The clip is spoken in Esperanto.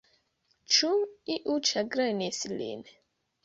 Ĉu iu ĉagrenis lin?